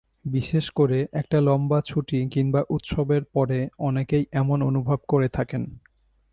বিশেষ করে একটা লম্বা ছুটি কিংবা উৎসবের পরে অনেকেই এমন অনুভব করে থাকেন।